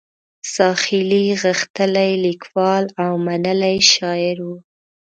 زاخیلي غښتلی لیکوال او منلی شاعر و.